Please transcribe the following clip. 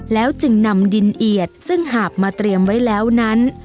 แล้วจึงนำดินเอียดซึ่งหาบมาเตรียมไว้แล้วนั้น